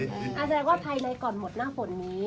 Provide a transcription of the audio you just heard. อาจจะแปลกว่าไทยในก่อนหมดหน้าผลนี้